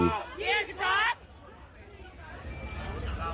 เริ่มตัว